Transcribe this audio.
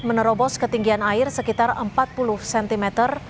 menerobos ketinggian air sekitar empat puluh cm